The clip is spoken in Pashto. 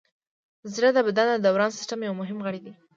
زړه د بدن د دوران سیستم یو مهم غړی دی.